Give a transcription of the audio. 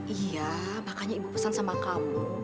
iya makanya ibu pesan sama kamu